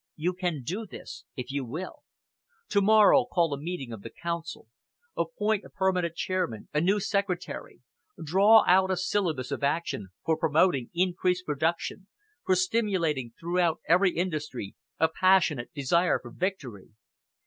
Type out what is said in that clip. You can do this if you will. To morrow call a meeting of the Council. Appoint a permanent chairman, a new secretary, draw out a syllabus of action for promoting increased production, for stimulating throughout every industry a passionate desire for victory.